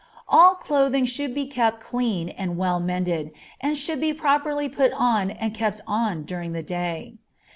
All clothing should be kept clean and well mended, and should be properly put on and kept on during the day.